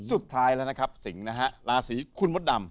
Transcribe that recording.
สุดท้ายแล้วนะครับสิงห์นะฮะราศีคุณมดดำ